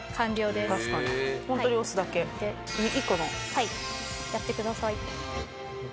はいやってください。